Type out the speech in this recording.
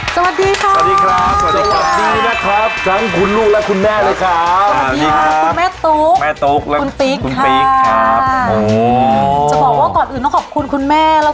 สวัสดีครับสวัสดีครับสวัสดีครับสวัสดีนะครับ